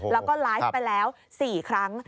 แล้วก็ไลฟ์ไปแล้ว๔ครั้ง